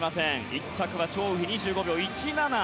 １着はチョウ・ウヒで２５秒１７。